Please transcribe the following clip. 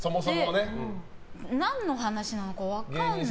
何の話なのか分からない。